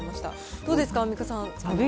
どうですか、アンミカさん、使って。